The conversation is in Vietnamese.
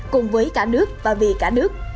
cùng với cả nước và vì cả nước